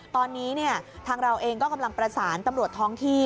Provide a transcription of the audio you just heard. ตอนนี้ทางเราเองก็กำลังประสานตำรวจท้องที่